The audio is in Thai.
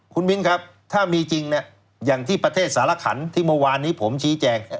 คุณมิ้นครับถ้ามีจริงเนี่ยอย่างที่ประเทศสารขันที่เมื่อวานนี้ผมชี้แจง